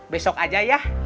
besok aja ya